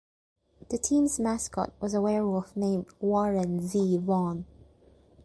The team's mascot was a werewolf named "Warren Z. Vaughn".